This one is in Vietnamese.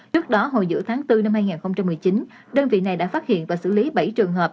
trước đó hồi giữa tháng bốn năm hai nghìn một mươi chín đơn vị này đã phát hiện và xử lý bảy trường hợp